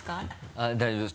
あっ大丈夫です。